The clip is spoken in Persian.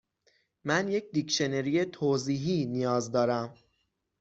من یک دیکشنری توضیحی نیاز دارم.